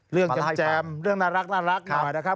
เรื่องแจ้มเรื่องน่ารักหน่อยนะครับ